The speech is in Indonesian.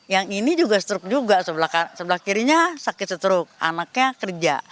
yang ini juga struk juga sebelah kirinya sakit stroke anaknya kerja